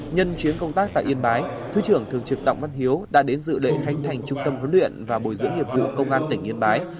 nhân chuyến công tác tại yên bái thứ trưởng thường trực đặng văn hiếu đã đến dự lễ khánh thành trung tâm huấn luyện và bồi dưỡng nghiệp vụ công an tỉnh yên bái